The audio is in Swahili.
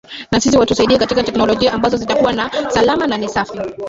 na sisi watusaidie katika technologia ambazo zitakuwa ni salama na ni safi